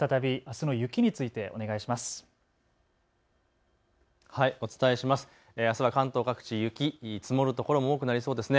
あすは関東各地雪、積もる所も多くなりそうですね。